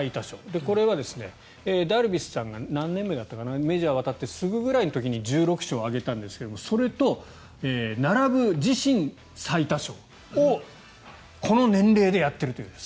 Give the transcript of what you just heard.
これはダルビッシュさんが何年目だったかなメジャーに渡ってすぐぐらいの時に１６勝を挙げたんですがそれと並ぶ自身最多勝をこの年齢でやっているという。